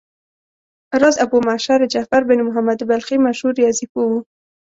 راز ابومعشر جعفر بن محمد بلخي مشهور ریاضي پوه و.